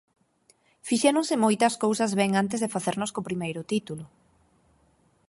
Fixéronse moitas cousas ben antes de facernos co primeiro título.